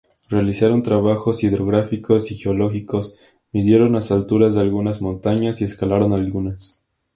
Realizaron trabajos hidrográficos y geológicos, midieron las alturas de algunas montañas y escalaron algunas.